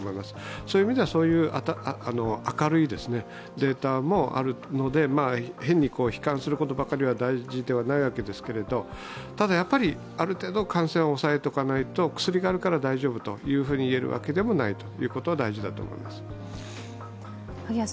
そういう意味では明るいデータもあるので変に悲観することばかりが大事ではないわけですが、ただ、ある程度、感染は抑えておかないと、薬があるから大丈夫ではないということは大事だと思います。